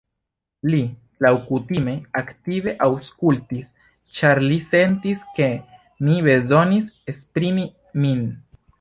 Li, laŭkutime, aktive aŭskultis, ĉar li sentis ke mi bezonis esprimi min.